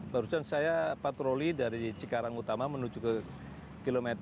barusan saya patroli dari cikarang utama menuju ke km